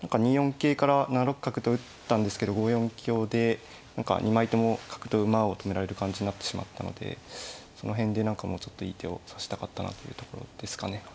桂から７六角と打ったんですけど５四香で２枚とも角と馬を止められる感じになってしまったのでその辺で何かもうちょっといい手を指したかったなというところですかね。